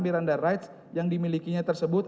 miranda rights yang dimilikinya tersebut